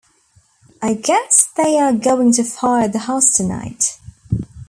I guess they are going to fire the house tonight.